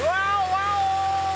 ワオ！